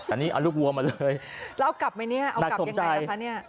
อันนี้เอาลูกวัวมาเลยแล้วเอากลับไหมเนี่ยเอากลับยังไงล่ะคะเนี่ย